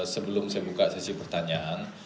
sebelum saya buka sesi pertanyaan